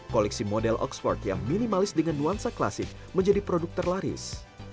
koleksi model oxford yang minimalis dengan nuansa klasik menjadi produk terlaris